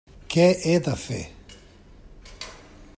Què he de fer?